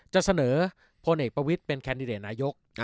จะเสนอพลเอกประวิทย์เป็นแคนดิเดตนายก